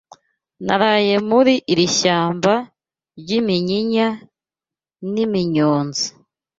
Naraye muri iri shyamba ry’iminyinya n’iminyonza